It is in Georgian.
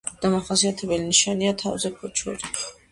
დამახასიათებელი ნიშანია თავზე ქოჩორი.